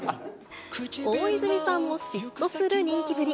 大泉さんも嫉妬する人気ぶり。